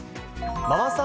ママさん